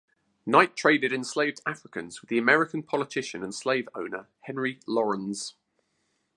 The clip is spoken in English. Knight traded enslaved Africans with the American politician and slave owner Henry Laurens.